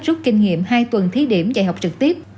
rút kinh nghiệm hai tuần thí điểm dạy học trực tiếp